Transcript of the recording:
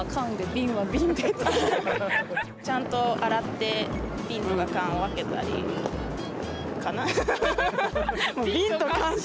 ちゃんと洗ってビンとかカンを分けたりかな。